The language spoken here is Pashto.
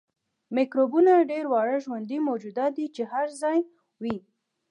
میکروبونه ډیر واړه ژوندي موجودات دي چې هر ځای وي